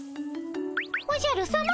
おじゃるさま？